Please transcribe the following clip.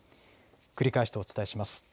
繰り返してお伝えします。